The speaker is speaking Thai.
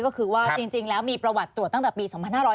ก็คือว่าจริงแล้วมีประวัติตรวจตั้งแต่ปี๒๕๕๙